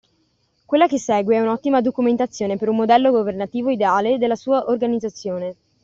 Quella che segue è un’ottima documentazione per un modello governativo ideale e della sua organizzazione.